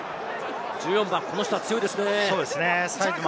１４番、この人は強いですね。